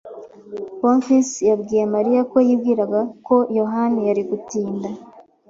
Bonfils yabwiye Mariya ko yibwiraga ko Yohana yari gutinda.